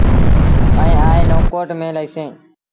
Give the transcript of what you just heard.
ائيٚݩ آئي نئون ڪوٽ ميݩ لهيٚسي۔